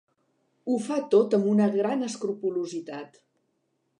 Ho fa tot amb una gran escrupolositat.